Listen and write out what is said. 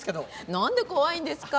なんで怖いんですか？